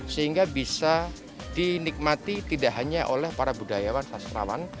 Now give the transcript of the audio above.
sehingga bisa dinikmati tidak hanya oleh para budayawan sastrawan